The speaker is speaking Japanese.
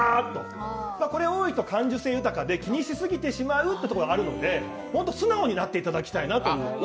これ、多いと感受性豊かで気にしすぎてしまうところがあるのでもっと素直になっていただきたいなと。